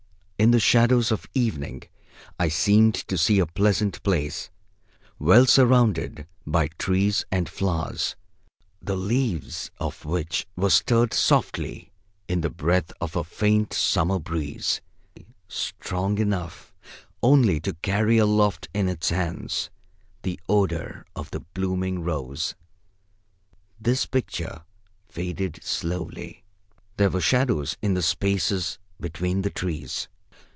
In the shadows of evening, I seemed to see a pleasant place, well surrounded by trees and flowers, the leaves of which were stirred softly in the breath of a faint summer breeze, strong enough only to carry aloft in its hands the odor of the blooming rose. This picture faded slowly. There were shadows in the spaces between the trees.